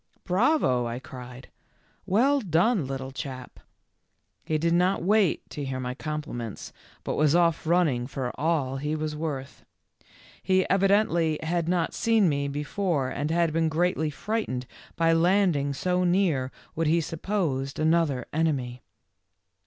" Bravo," I cried. " Well done, little chap." He did not wait to hear my compliments, but was off running for all he was worth. He evidently had not seen me before and had been greatly frightened by landing so near what he supposed another enemy.